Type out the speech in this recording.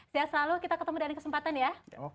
sehat selalu kita ketemu dari kesempatan ya